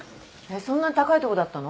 そんなに高いとこだったの？